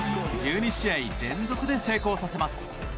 １２試合連続で成功させます。